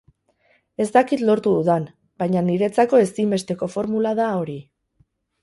Ez dakit lortu dudan, baina niretzako ezinbesteko formula da hori.